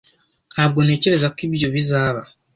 Ntabwo ntekereza ko ibyo bizaba.